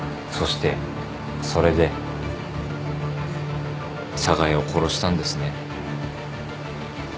そしてそれで寒河江を殺したんですね。